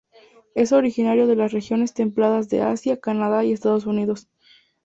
Es originario de las regiones templadas de Asia, Canadá y Estados Unidos.